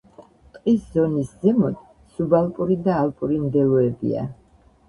ტყის ზონის ზემოთ სუბალპური და ალპური მდელოებია.